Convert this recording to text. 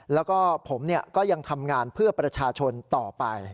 แล้วก็ผมก็ยังทำงานเพื่อประชาชนต่อไป